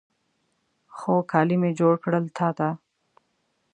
خو، کالي مې جوړ کړل تا ته